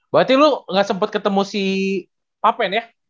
berarti lo gak sempet ketemu si papen ya